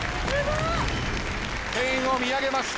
天を見上げました。